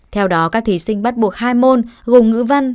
theo đó các thí sinh bắt buộc hai môn gồm ngữ văn